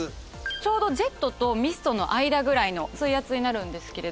ちょうどジェットとミストの間ぐらいの水圧になるんですけれども。